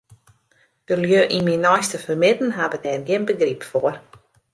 De lju yn myn neiste fermidden hawwe dêr gjin begryp foar.